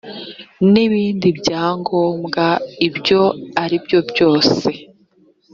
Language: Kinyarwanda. n’ibindi byangomwa ibyo aribyo byose